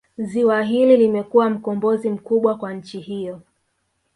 Ziwa hili limekuwa mkombozi mkubwa kwa nchi hiyo